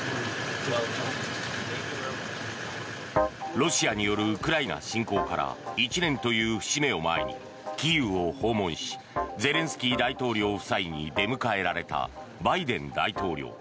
ロシアによるウクライナ侵攻から１年という節目を前にキーウを訪問しゼレンスキー大統領夫妻に出迎えられたバイデン大統領。